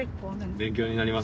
勉強になります。